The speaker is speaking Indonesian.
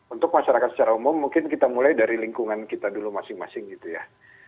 untuk masyarakat secara umum mungkin kita mulai dari lingkungan kita dulu masing masing gitu ya